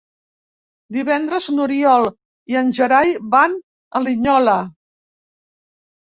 Divendres n'Oriol i en Gerai van a Linyola.